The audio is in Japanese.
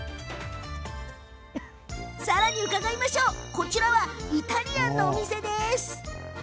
さらに、こちらはイタリアンのお店です。